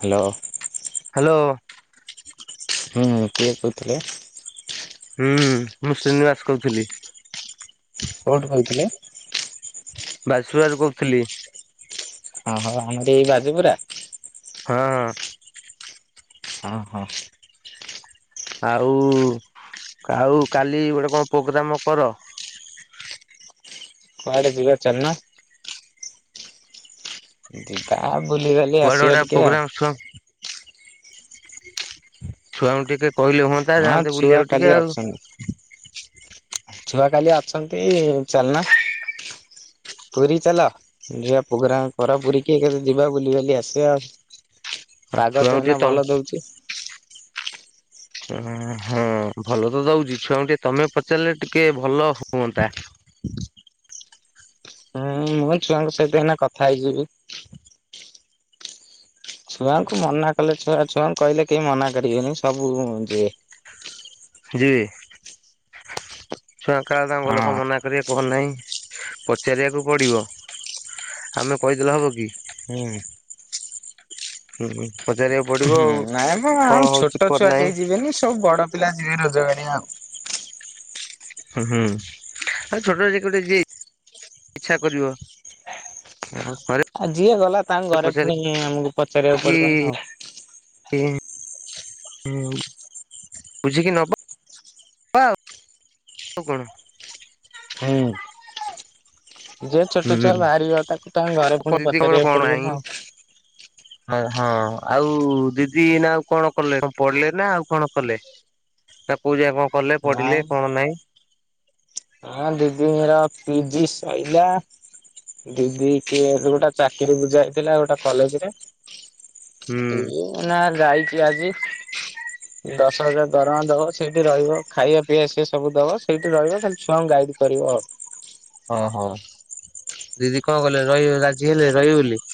Hello. Hello. ହୁଁ କିଏ କହୁଥିଲେ? ହୁଁ ମୁଁ ଶ୍ରୀନିବାସ କହୁଥିଲି। କୋଉଠୁ କହୁଥିଲେ? ବାସୁଆରୁ କହୁଥିଲି। ଅହଁ ଆମର ଏଇ ଯାଜପୁର। ହଁ-ହଁ। ଅଁ ହଁ। ଆଉ ଆଉ କାଲି ଗୋଟେ କଣ ପୋଗ୍ରାମ କର। କୁଆଡେ ଯିବା ଚାଲୁନ। ଯିବା ବୁଲିବାଲି କୁଆଡେ ଆସିବା ଗୋଟେ ଟିକେ ଆଉ। ପ୍ରୋଗ୍ରାମ ଛୁଆ ଛୁଆଙ୍କୁ ଟିକେ କହିଲେ ହୁଅନ୍ତା ହଁ ଯାଆନ୍ତେ ଛୁଆ ବୁଲିବାକୁ କାଲି ଟିକେ ଆଉ। ଅଛନ୍ତି। ଛୁଆ କାଲି ଅଛନ୍ତି ଚାଲୁନ। ପୁରୀ କି ଚାଲ। ଯିବା ପ୍ରୋଗ୍ରାମ କର ପୁରୀ କି ଏକାଥରେ ଯିବା ବୁଲିିବାଲି ଆସିବା ଆଉ। ପାଗ ତ ଛୁଆଙ୍କୁ ଟିକେ ଏଇନା ଭଲ ଦଉଚି। ନାଁ ହଁ ଭଲ ତ ଦଉଚି ଛୁଆଙ୍କୁ ଟିକେ ତମେ ପଚାରିଲେ ଟିକେ ଭଲ ହୁଅନ୍ତା। ହୁଁ ମୁଁ ହଁ ଛୁଆଙ୍କ ସହିତ ଏଇନା କଥା ହେଇଯିବି। ଛୁଆଙ୍କୁ ମନା କଲେ ଛୁଆ ଛୁଆଙ୍କୁ କହିଲେ କେହି ମନା କରିବେନି ସବୁ ଯିବେ। ଛୁଆଙ୍କ ଘର ଲୋକ ହଁ ମନା କରିବେ। [inaudible] ନାଇଁ ପଚାରିବାକୁ ପଡ଼ିବ ଆମେ କହି ଦେଲେ ହବକି। ହୁଁ। ହୁଁ-ହୁଁ। ପଚାରିବାକୁ ପ ହୁଁ ନାଇଁ ମୁଁ ଆଉ ଛୋଟ ଛୁଆ ନାହିଁ କେହି ଯିବେନି ସବୁ ବଡ ପିଲା ଯିବେ ରୋଜଗାରିଆ ଆଉ। ଆଉ ଛୋଟ ଯଦି ଟିକେ ଗୋଟେ ଯିଏ ଇଚ୍ଛା କରିବ। ଘରେ ଆଉ ଯିଏ ଗଲା ତାଙ୍କ ଘରେ ପୁଣି ଆମକୁ ପଚାରିବାକୁ ପଚାରିକି ପଡିବନା ଆଉ। [unintelligible] ବୁଝିକି ନବା ଆଉ କଣ। ହୁଁ। ଯିଏ ଛୋଟ ହୁଁ। ଛୁଆ ବାହାରିିବ ତାକୁ ତାଙ୍କ ଘରେ ପୁଣି ଦିଦି ପଚାରିବାକୁ ପଡିବ ନା ଆଉ। ହା ହଁ ଆଉ ଦିଦି ଏଇନା ଆଉ କଣ କଲେ କଣ ପଢିଲେ ନା ଆଉ କଣ କଲେ? ନା କୋଉ ଯାଏଁ କଣ କଲେ ନାଇଁ ପଢିଲେ କଣ ନାଇଁ। ହଁ ଦିଦିଙ୍କ ର ପିଜି ସଇଲା। ଦିଦି କେଆର ରେ ଗୋଟା ଚାକିରି ବୁଝା ହୋଇଥିଲା ଗୋଟା କଲେଜ ରେ। ତି ହୁଁ ନା ଯାଇଛି ଆଜି। ଦଶ ହଜାର ଦରମା ଦବ ସେଇଠି ରହିବ ଖାଇବା ପିଇବା ସିଏ ସବୁ ଦବ ସେଇଠି ରହିବ ଖାଲି। ଛୁଆଙ୍କୁ ଗାଇଡ କରିବ ଆଉ। ଅହୋ ଦିଦି କଣ କଇଲେ ରହିବେ ରାଜି ହେଲେ ରହିବେ ବୋଲି।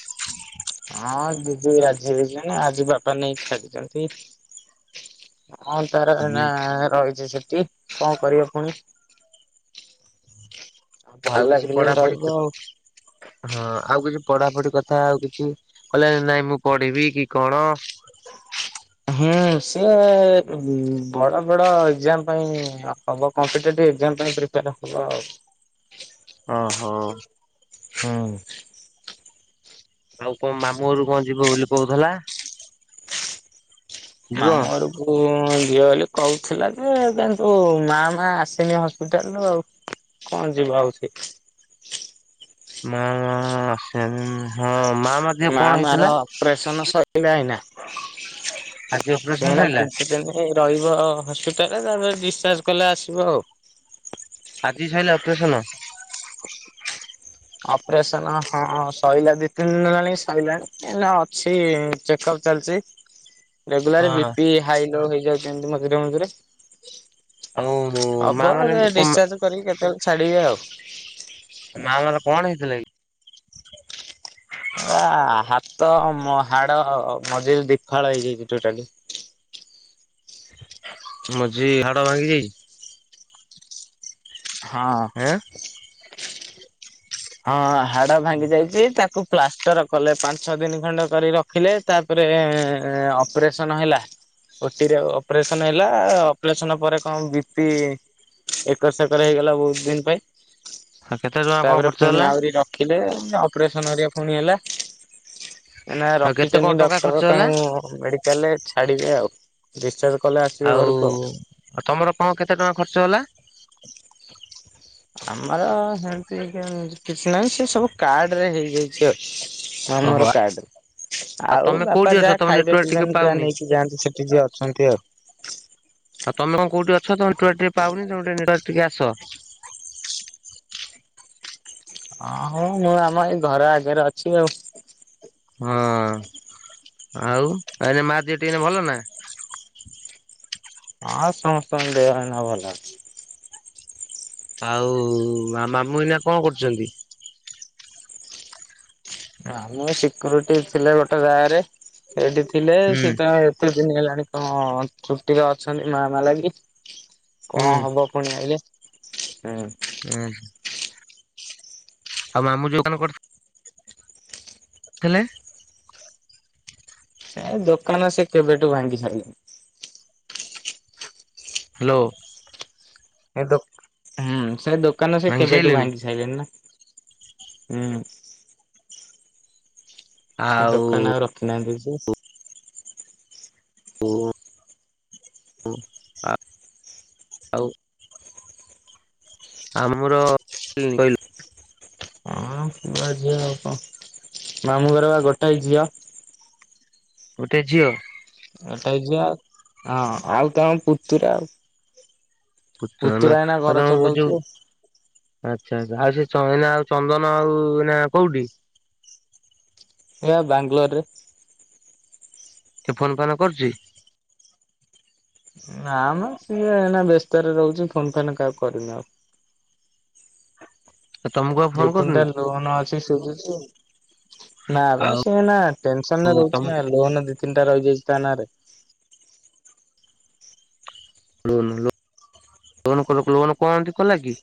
ହଁ ଦିଦି ରାଜି ହେଇଚନି ଆଜି ବାପା ନେଇ ଛାଡିଚନ୍ତି। ହଁ ତାର ଏଇନା ରହିଛି ସେଠି କଣ କରିବ ପୁଣି। ଭଲ ଆଉ କିଛି ଲାଗିଲେ ପଢାପଢି। ରହିବ ଆଉ ହଁ ଆଉ କିଛି ପଢାପଢି କଥା ଆଉ କିଛି କହିଲେ ନାଇଁ ମୁଁ ପଢିବି କି କଣ। ହୁଁ ସିଏ ବଡ ବଡ ଏକଜାମ ପାଇଁ ହବ କମ୍ପିଟେଟିଭ ଏକଜାମ ପାଇଁ ପ୍ରିପେ [unintelligible] ଓହୋ। ହୁଁ। ଆଉ କଁ ମାମୁଁ ଘରକୁ ଯିବ ବୋଲି କହୁଥିଲା। ଯିବ? ମାମଁ ଘରକୁ। କୁ ଯିଅ ବୋଲି କହୁଥିଲା ଯେ କିନ୍ତୁ ମା ମା ଆସନି ହସ୍ପିଟାଲ ରୁ ଆଉ। କଣ ଯିବା ଆଉ ସେ। ମା ମା ଆସିନାହାନ୍ତି ହଁ। ମା ମଧ୍ୟ ମା କଣ ମା ର ହେଇଥିଲା ଅପରେସନ ସରିଲା ଏଇନା। ଆଜି ଅପରେସନ ସିଏ ଏଇନା ସରିଲା? କିଛି ଦିନି ରହିବ ହସ୍ପିଟାଲରେ ତାପରେ ଡିସଚାର୍ଜ କଲେ ଆସିବ ଆଉ। ଆଜି ସାଇିଲା ଅପରେସନ। ଅପରେସନ ହଁ ସରିଲା ଦି ତିନି ଦିନ ହେଲାଣି ସଇଲାଣି। ଏଇନା ଅଛି ଚେକ ଅପ ଚାଲିଛି। ହ ରେଗୁଲାର ବି ପି ହାଇ ଲୋ ହେଇଯାଉଛି ଏମିତି ମଝିରେ ମଝିରେ। ଆଉ ମା ହବ ମାନେ ସେ ଏମିତି କ ଡିସଚାର୍ଜ କରିକି କେତେବେଳେ ଛାଡିବେ ଆଉ। ମା ମା ର କଣ ହେଇଥିଲା କି? ଏବା ହାତ ମ ହାଡ ମଝିରେ ଦିଫାଳ ହେଇଯାଇଛି ଟୋଟାଲି। ମଝି ହାଡ ଭାଙ୍ଗିଯାଇଛି। ଆଁ ହଁ। ହଁ ହାଡ ଭାଙ୍ଗି ଯାଇଛି ତାକୁ। ପ୍ଲାଷ୍ଟର କଲେ ପାଞ୍ଚ ଛଅ ଦିନ ଖଣ୍ଡେ କରି ରଖିଲେ ତାପରେ ଅପରେସନ ହେଲା। ଓଟିରେ ଅପରେସନ ହେଲା ଅପରେସନ ପରେ କଣ ବି ପି। ଏକର ସେକର ହେଇଗଲା ବହୁତ ଦିନ ପାଇଁ। ଆଉ କେତେ ଟଙ୍କା କଣ ଖର୍ଚ୍ଚ ହେଲା? ବି ରଖିଲେ ଅପରେସନ ଘରିକା ପୁଣି ହେଲା। ଏଇନା ଆଉ କେତେ କଣ ରଖିଛନ୍ତି ଟଙ୍କା ଡକ୍ଟର ଖର୍ଚ୍ଚ ହେଲା? ତାଙ୍କୁ ମେଡିକାଲ ରେ ଛାଡିବେ ଆଉ। ଡିସଚାର୍ଜ କଲେ ଆ ଆଉ ତମର କଣ କେତେ ଟଙ୍କା ଖର୍ଚ୍ଚ ହେଲା? ଆମର ସେମତି କି କିଛି ନାହିଁ ସେ ସବୁ କାର୍ଡ ରେ ହେଇଯାଇଛି। ଛି ମାମୁଁ ଓହୋ ଘର କାର୍ଡ ରେ। ଆଉ ତମେ ବାପା କୋଉଠି ଅଛ ଯାହା ତମ ଖାଇବେ ନେଟୱାର୍କ ଟିକେ ପିଇବା ନେ ଯାହା ପାଉନି ନେଇକି ଯାଆନ୍ତି ସେଠି ଯିଏ ଅଛନ୍ତି ଆଉ। ଆଉ ତମେ କଣ କୋଉଠି ଅଛ ତମ ନେଟୱାର୍କ ଟିକେ ପାଉନି ତମେ ଟିକେ ନେଟୱର୍କ ଠି କି ଆସ। ଆ ହୁଁ ମୁଁ ଆମ ଏଇ ଘର ଆଗରେ ଅଛି ଆଉ। ହଁ ଆଉ ଆରେ ମା ଦିଅ ଟିକେ ଭଲ ନା? ଆଁ ସମସ୍ତଙ୍କ ଦେହ ଏଇନା ଭଲ ଅଛି। ଆଉ ମା ମାମୁଁ ଏଇନା କଣ କରୁଛନ୍ତି? ଆମ ସିକ୍ୟୁରିଟି ଥିଲେ ଗୋଟେ ଗାଁରେ ସେଇଠି ଥିଲେ ହୁଁ ସେତ ଏତେ ଦିନ ହେଲାଣି କଣମ ଛୁଟିରେ ଅଛନ୍ତି ମା ମାଲାଗି। ହୁଁ କଣ ହବ ପୁଣି ଆଇଲେ ହୁଁ। ହଁ। ଆଉ ମାମୁ ଯୋଉ କାଣ କର ହେଲେ ସେ ଦୋକାନ ସେ କେବେଠୁ ଭାଙ୍ଗି ସାଇଲେଣି। ହାଲୋ। ସେ ଦୋ ହୁଁ ସେ ଦୋକାନ ସେ ଭାଙ୍ଗି କେବେଠୁ ସାଇଲେଣି ଭାଙ୍ଗିସ ଖାଇଲେଣି ନା ହୁଁ। ସେ ଆଉ ଦୋକାନ ଆଉ ରଖିନାହାନ୍ତି ଯେ ଓହୁ ଉଁ ଆଉ। ଆମର [unintelligible] କହିଲୁ ହଁ ପୁଅ ଝିଅ ଆଉ କଣ ମାମୁଁ ଘର ବା ଗୋଟାଏ ଝିଅ। ଗୋଟେ ଝିଅ। ଗୋଟାଏ ଝିଅ ହଁ ଆଉ ତାଙ୍କ ପୁତୁରା ଆଉ। ଖର୍ଚ୍ଚ ହେଲା ପୁତୁରା ଏଇନା ଘର ଆଉ ତମ ଚଲଉଛି ଯୋଉ ଆଉ ଆଚ୍ଛା ଆଚ୍ଛା ଆଉ ସେ ଚଇନା ଆଉ ଚନ୍ଦନ ଆଉ ଏନା କୋଉଠି? ଏଇବା ବାଙ୍ଗଲୋରରେ। ସେ ଫୋନ ଫାନ କରୁଛି। ନା ମ ସିଏ ଏନା ବ୍ୟସ୍ତରେ ରହୁଛି ଫୋନ ଫାନ୍ କାହାକୁ କରିନି ଆଉ। ତମକୁ ଆଉ ଦି ଫୋନ ତିନିଟା କରୁନି ଲୋନ୍ ଅଛି ସୁଝୁଛି ଆଉ। ନା ବା ଆଉ ସି ଏନା ଟେନସନରେ ତମ ରହୁଛି ନା ଲୋନ ଦି ତିନିଟା ରହିଯାଇଛି ତା ନାରେ। ଲୋନ୍ ଲୋ ଲୋନ୍‌ କଲୁକଲୁ କଣ ଏମିତି କଲା କି?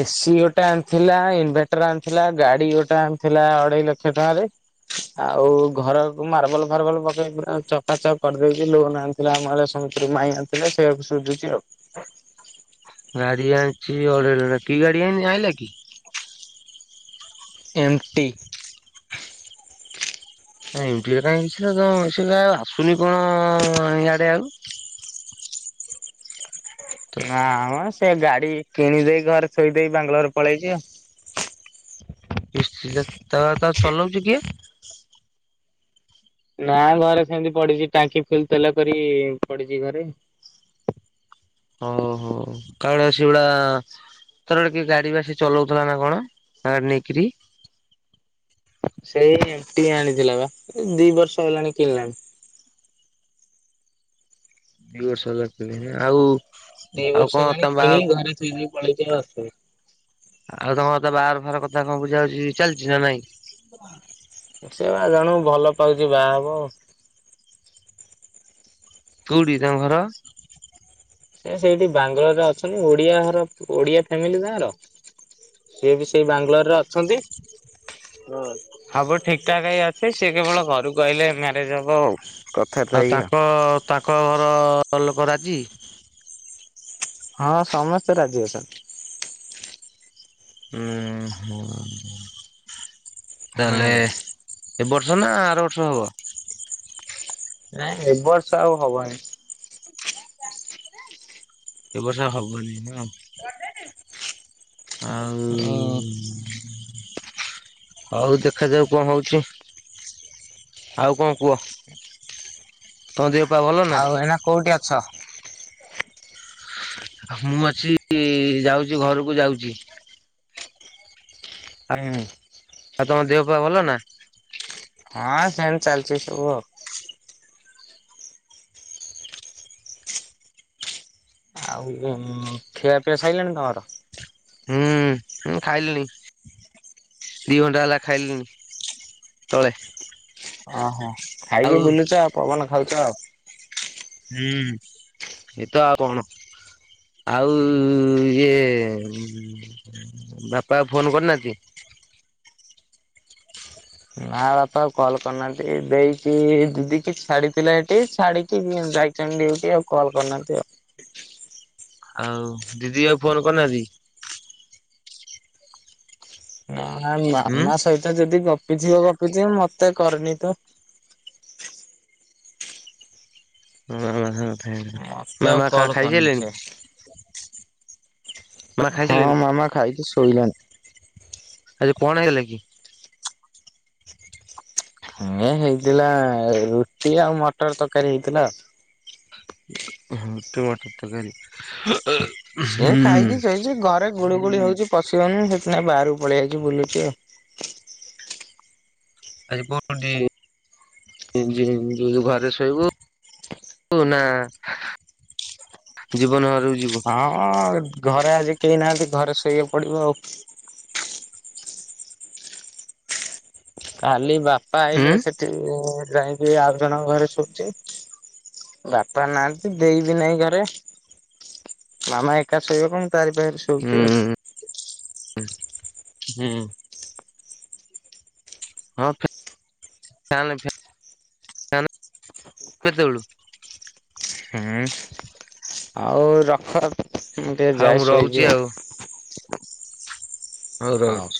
ଏ ସିି ଗୋଟେ ଆଣିଥିଲା ଇନଭଟର ଆଣିଥିଲା ଗାଡ଼ି ଗୋଟେ ଆଣିଥିଲା ଅଢ଼େଇ ଲକ୍ଷ ଟଙ୍କାରେ। ଆଉ ଘରକୁ ମାର୍ବଲ ଫାର୍ବଲ ପକେଇ ପୁରା ଚକାଚକ କରିଦେଇଚି ଲୋନ ଆଣ ଥିଲା ଆମ ଆ ସମସ୍ତରୁ ମାଇଁ ଆଣି ଥିଲେ ସେଇଆକୁ ସୁୁଝୁଛି ଆଉ। ଗାଡ଼ି ଆଣିଛି ଅଢ଼େଇ କି ଗାଡ଼ି ଏନି ଆଣିଲା କି? ଏମ ଟି ଏମଟିଏ କାହିଁ [unintelligible] ସିଏ କାଇଁ ଆସୁନି କଣ ହିଆଡେ ଆଉ ନା ମା ସେ ଗାଡ଼ି କିଣି ଦେଇ ଘରେ ଥୋଇ ଦେଇ ବାଙ୍ଗଲୋର ପଳେଇଛି ଆଉ। କିସ୍ତିଟା ତା-ତାହାଲେ ଚଲଉଛି କିଏ? ନା ଘରେ ସେମିତି ପଡିଛି ଟାଙ୍କି ଫିଲ ତେଲ କରି ପଡିଛି ଘରେ। ଓହୋ, କାଳେ ସେଗୁଡା ଥରେ କିଏ ଗୋଟେ ଗାଡ଼ି ବାସି ଚଲାଉଥିଲା ନା କଣ ଧାର ନେଇକିରି। ସେଇ ଏମିତି ଆଣିଥିଲା ବା ଦି ବର୍ଷ ହେଲାଣି କିଣିଲାଣି। ଦି ବର୍ଷ ହେଲା [unintelligible] ଆଉ ଦି ଆଉ ବର୍ଷ କଣ ହେଲାଣି ତମ କିଣି ବାହା ଘରେ [unintelligible] ପଲେଇଛି ଆଉ ଆସୁନି। ଆଉ ତମର ତ ବାହାଘର ଫାହାଘର କଥା କଣ ବୁଝାବୁଝି ଚାଲିଛି ନା ନାଇଁ? ସେ ବା ଜଣକୁ ଭଲ ପାଉଛି ବାହା ହବ। କୋଉଠି ତାଙ୍କ ଘର? ସେ ସେଇଠି ବାଙ୍ଗଲୋର ରେ ଅଛନ୍ତି, ଓଡିଆ ଘର ଓଡିଆ ଫ୍ୟାମିଲି ତାର। ସିଏ ବି ସେଇ ବାଙ୍ଗାଲୋରରେ ଅଛନ୍ତି। ହଁ। ହବ ଠିକ୍ ଠାକ୍ ହେଇ ଅଛି ସେ କେବଳ ଘରକୁ ଆସିଲେ ମ୍ୟାରେଜ ହବ ଆଉ କଥା ତ ଏଇଆ। ହଁ ତା ଙ୍କ ଘର ଲୋକ ରାଜି। ହଁ ସମସ୍ତେ ରାଜି ଅଛନ୍ତି। ଉ ହଁ ହୁଁ। ତାହଲେ। ଏ ବର୍ଷ ନା ଆର ବର୍ଷ ହବ। ନାଇଁ ଏ ବର୍ଷ ଆଉ ହବନି। ଡାକିବୁ ନା ଏ ବର୍ଷ ଆଉ ହବନି ନା। ଆଉ ଉଁ ହଉ ଦେଖାଯାଉ କଣ ହଉଛି। ଆଉ କଣ କୁହ ତମ ଦେହ ପା ଭଲ ନା‌। କୋଉଁଠି ଅଛ। ମୁଁ ଅଛି ଯାଉଛି ଘରକୁ ଯାଉଛି। ହୁଁ। ଆଉ ତମ ଦେହ ପା ଭଲ ନା। ହଁ ସେମିତି ଚାଲିଛି ସବୁ ଆଉ। ଆଉ ଖିଆପିଆ ସରିଲାଣି ତମର। ହୁଁ ଖାଇଲିଣି। ଦି ଘଣ୍ଟା ହେଲା ଖାଇଲିଣିି ତଳେ। ଓହୋ ଆଉ ଖାଇକି ବୁଲୁଛ ଆଉ ପବନ ଖାଉଛ ଆଉ। ହୁଁ ଏଇତ ଆଉ କଣ। ଆଉ ଇଏ ବାପା ଫୋନ୍ କରିନାହାନ୍ତି। ନା ବାପା ଆଉ କଲ୍ କରିନାହାନ୍ତି ଦେଇକି ଦିଦି କି ଛାଡ଼ିଥିଲା ଏଠି ଛାଡ଼ିକି ଯାଇ। ଡିଉଟି ଆଉ କଲ୍ କରିନାହାନ୍ତି ଆଉ। ଆଉ ଦିଦି ଆଉ ଫୋନ୍ କରିନାହାନ୍ତି। ହ ହୁଁ ମାମା ସହିତ ଯଦି ଗପି ଥିବ ଗପିଥିବ ମତେ କରିନି ତ। ମତେ ଆଉ ମାମା ଖାଇ କଲ୍ ଖାଇ କରିନି ସାରଲେଣି‌ ସେ। ମାମା ହଁ ଖାଇସାରିଲେଣି ମାମା ଖାଇକି ଶୋଇଲାଣି। ଆଜି କଣ ହେଲା କି। ହ ହେଇଥିଲା ରୁଟି ଆଉ ମଟର ତରକାରୀ ହେଇଥିଲା ଆଉ। ରୁଟି ମଟର ତରକାରୀ। ସିଏ ହୁଁ ଖାଇକି ଶୋଇଛି ଘରେ ଗୁଳୁ ଗୁଳି ହଉଛି ପଶି ହଉନି ସେଥିପାଇଁ ବାହାରକୁ ପଳେଇଆଇକି ବୁଲୁଛି ଆଉ। ଆଜି ପରୁଡି। ଯେ ଘରେ ଶୋଇବୁୁ ନା। ଜୀବନ ଘରୁକୁ ଯିବୁ। ହଁ ଘରେ ଆଜି କେହି ନାହାନ୍ତି ଘରେ ଶୋଇବାକୁ ପଡିବ ଆଉ। କାଲି ବାପା ଉଁ ଆଇଲେ ସେଠି ଯାଇକି ଆଉ ଜଣଙ୍କ ଘରେ ଶୋଉଛି। ବାପା ନାହାନ୍ତି ଦେଇବି ନାଇଁ ଘରେ। ମାମା ଏକା ଶୋଇବା କଣ ତାରି ପାଖରେ ହୁଁ ଶୋଉଛି ଆଉ। ହୁଁ। ହଁ କେତେବେଳୁ। [unintelligible] ହୁଁ ଆଉ ରଖ ରଖ ମୁଁ ଟିକେ ଆଉ ଯାଏ ମୁଁ ରହୁଛି ଶୋଇବି ଆଉ। ହଉ ଆଉ। ରହୁଛି।